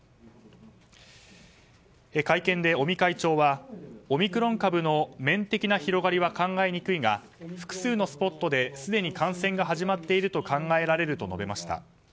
会見で、尾身会長はオミクロン株の面的な広がりは考えにくいが複数のスポットですでに感染が始まっていると考えられると述べました。